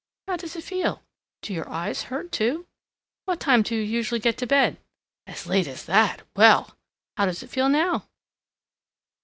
How does it feel? Do your eyes hurt, too? What time do you usually get to bed? As late as THAT? Well! How does it feel now?"